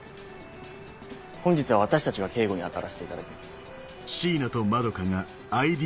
本日は私たちが警護に当たらせていただきます。